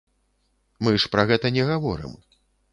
Мы ж пра гэта не гаворым.